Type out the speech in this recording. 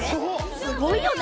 すごいよな。